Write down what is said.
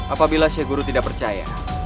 apabila si guru tidak percaya